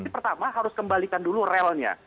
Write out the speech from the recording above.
pertama harus kembalikan dulu relnya